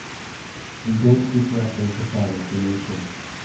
We don't keep records of that information.